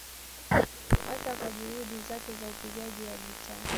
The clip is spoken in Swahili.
Hasa kwa juhudi zake za upigaji wa gitaa